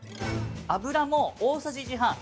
油も大さじ１半。